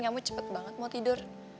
nyamuk cepet banget mau tidur